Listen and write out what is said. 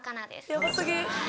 ヤバ過ぎ！